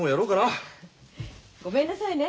ごめんなさいね。